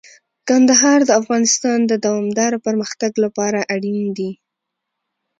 کندهار د افغانستان د دوامداره پرمختګ لپاره اړین دي.